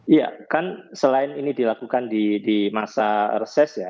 iya kan selain ini dilakukan di masa reses ya